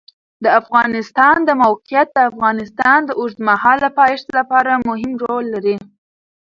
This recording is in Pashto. د افغانستان د موقعیت د افغانستان د اوږدمهاله پایښت لپاره مهم رول لري.